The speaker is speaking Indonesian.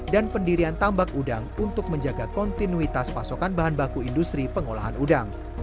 dan pendirian tambak udang untuk menjaga kontinuitas pasokan bahan baku industri pengolahan udang